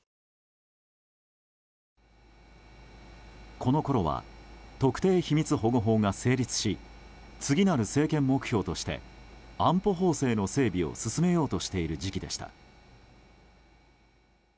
このころは特定秘密保護法が成立し次なる政権目標として安保法制の整備を進めようとしている時期でした。